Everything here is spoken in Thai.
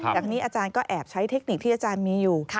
จากนี้อาจารย์ก็แอบใช้เทคนิคที่อาจารย์มีอยู่